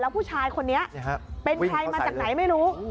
ผู้ชายคนนี้เป็นใครมาจากไหนไม่รู้